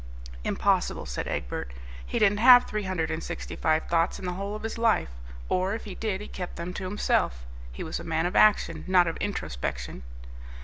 "Impossible," said Egbert; "he didn't have three hundred and sixty five thoughts in the whole of his life, or, if he did, he kept them to himself. He was a man of action, not of introspection."